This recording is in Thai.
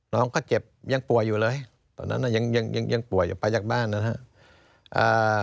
น้องก็เจ็บยังป่วยอยู่เลยตอนนั้นน่ะยังป่วยอยู่ประยักษณ์บ้านนะครับ